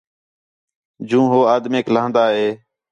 جوں ہو آدمیک لہن٘دا ہِے